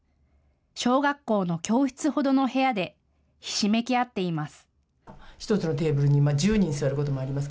小学校の教室ほどの部屋でひしめき合っています。